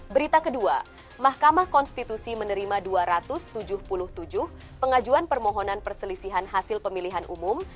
berita kedua mahkamah konstitusi menerima dua ratus tujuh puluh tujuh pengajuan permohonan perselisihan hasil pemilihan umum